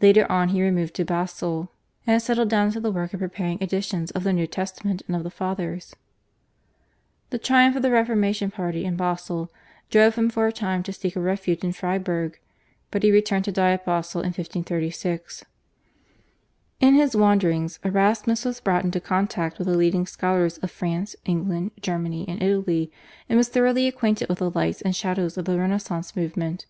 Later on he removed to Basle and settled down to the work of preparing editions of the New Testament and of the Fathers. The triumph of the Reformation party in Basle drove him for a time to seek a refuge in Freiburg, but he returned to die at Basle in 1536. In his wanderings Erasmus was brought into contact with the leading scholars of France, England, Germany, and Italy, and was thoroughly acquainted with the lights and shadows of the Renaissance movement.